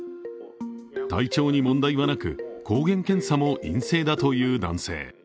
体調に問題はなく抗原検査も陰性だという男性。